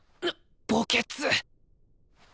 墓穴！